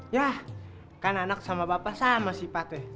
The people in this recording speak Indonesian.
yah kan anak sama bapak sama sifatnya